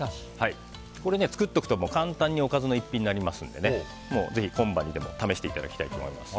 作っておくと簡単におかずの一品になりますのでぜひ今晩にでも試していただきたいと思います。